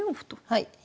はい。